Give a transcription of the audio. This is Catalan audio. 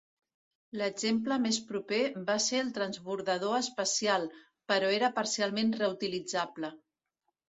L'exemple més proper va ser el transbordador espacial, però era parcialment reutilitzable.